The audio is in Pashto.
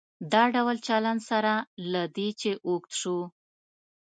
دا ډول چلن سره له دې چې اوږد شو.